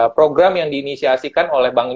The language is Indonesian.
program yang diinisiasikan oleh bank